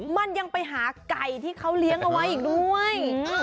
มันยังไปหาไก่ที่เขาเลี้ยงเอาไว้อีกด้วย